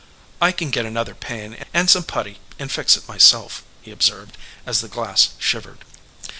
"I can get another pane and some putty and fix it myself," he observed, as the glass shivered.